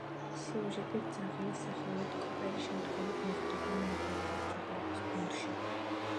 სიუჟეტით, ძაღლი სახელად კოპერი შემთხვევით მოხვდება მომღერალი ძაღლების გუნდში.